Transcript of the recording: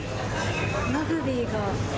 ラグビーがある。